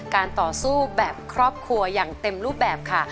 การต่อสู้แบบครอบครัวอย่างเต็มรูปแบบค่ะ